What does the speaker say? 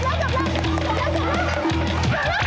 ทำไมออกไป